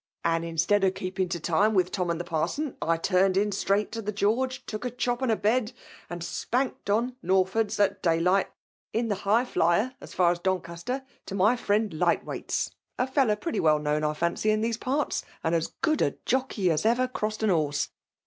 and instead of keeping to time with Tom and the Parson, I turned in straight to the George, took a chop and a bed, and spanked on nor*ards at daylight, in the High flyer as far as Doncaster, to my friend Light ^/ FEMALE DOMINATION. 173 weight's, (a fellow pretty well known, I fancy^ in these parts, and as good a jockey as ever crossed a horse